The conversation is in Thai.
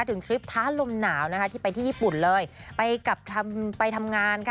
ด้วยถึงทริปท้าลมหนาวที่ไปที่ญี่ปุ่นไปทำงาน